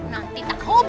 nanti tak kubur